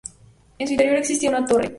En su interior existía una torre.